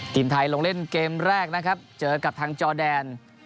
ทีมไทยลงเล่นเกมแรกนะครับเจอกับทางจอแดน